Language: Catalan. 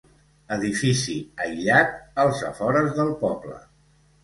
Edifici aïllat als afores del poble.